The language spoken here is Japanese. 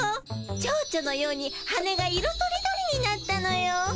蝶々のように羽が色とりどりになったのよ。